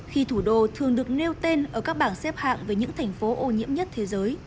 khi thủ đô thường được nêu tên ở các bảng xếp hạng với những thành phố ô nhiễm nhất thế giới